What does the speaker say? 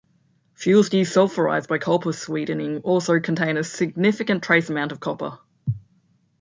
Fuels desulfurized by copper sweetening also contain a significant trace amounts of copper.